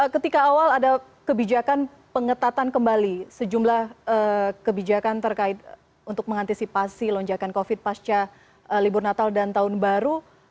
ketika awal ada kebijakan pengetatan kembali sejumlah kebijakan terkait untuk mengantisipasi lonjakan covid pasca libur natal dan tahun baru